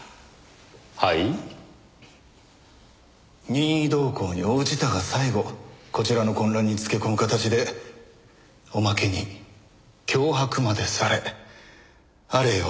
任意同行に応じたが最後こちらの混乱に付け込む形でおまけに脅迫までされあれよ